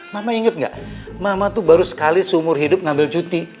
mama inget nggak mama tuh baru sekali seumur hidup ngambil cuti